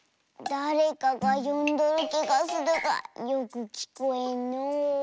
だれかがよんどるきがするがよくきこえんのう。